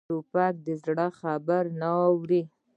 توپک د زړه خبرې نه اوري.